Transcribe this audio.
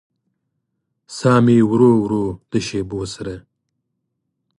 ساه مې ورو ورو د شېبو سره